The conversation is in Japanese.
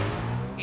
え？